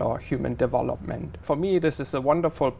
chúng ta có một sự hợp tác rất rộng